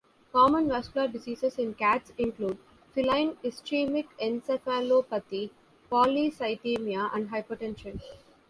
Common vascular diseases in cats include, feline ischemic encephalopathy, polycythemia and hypertension.